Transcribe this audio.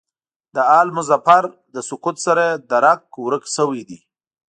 د آل مظفر له سقوط سره یې درک ورک شوی دی.